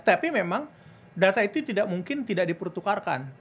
tapi memang data itu tidak mungkin tidak dipertukarkan